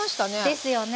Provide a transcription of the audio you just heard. ですよね。